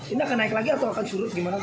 ini akan naik lagi atau